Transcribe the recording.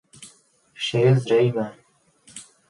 Vše je zřejmé.